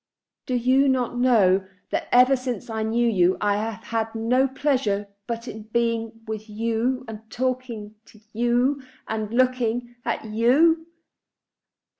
Do you not know that ever since I knew you I have had no pleasure but in being with you, and talking to you, and looking at you?"